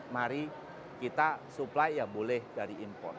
mari kita supply yang boleh dari import